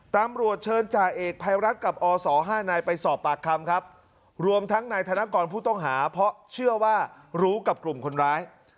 ตำรวจเชิญจ่าเอกภัยรัฐกับอศ๕นายไปสอบปากคำครับรวมทั้งนายธนกรผู้ต้องหาเพราะเชื่อว่ารู้กับกลุ่มคนร้าย